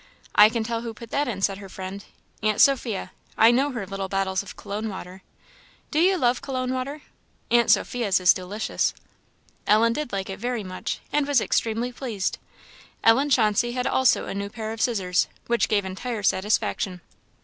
"I can tell who put that in," said her friend "Aunt Sophia. I know her little bottles of Cologne water. Do you love Cologne water? Aunt Sophia's is delicious." Ellen did like it very much, and was extremely pleased. Ellen Chauncey had also a new pair of scissors, which gave entire satisfaction.